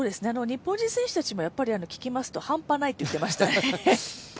日本人選手たちも聞きますと、半端ないって言ってましたね。